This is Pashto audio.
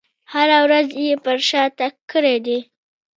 هره ورځ یې پر شا تګ کړی دی.